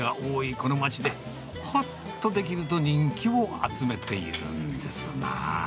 この街で、ほっとできると人気を集めているんですな。